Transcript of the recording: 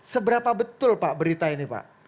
seberapa betul pak berita ini pak